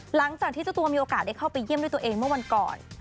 หลังจากที่เจ้าตัวมีโอกาสได้เข้าไปเยี่ยมด้วยตัวเองเมื่อวันก่อน